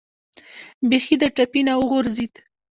بیخي د ټپې نه و غورځېد.